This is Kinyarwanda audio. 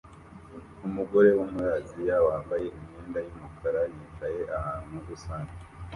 Umugore wo muri Aziya wambaye imyenda yumukara yicaye ahantu rusange